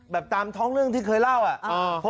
แบบตามท้องเรื่องที่ของพี่เบิร์ช